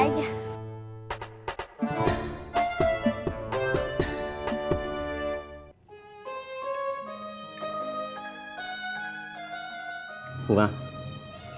bang ojak salim sama tati aja